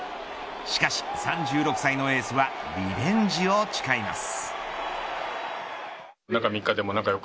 しかし３６歳のエースはリベンジを誓います。